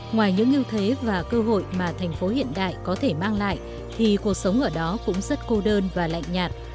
ngoài những ưu thế và cơ hội mà thành phố hiện đại có thể mang lại thì cuộc sống ở đó cũng rất cô đơn và lạnh nhạt